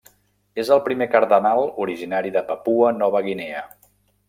És el primer cardenal originari de Papua Nova Guinea.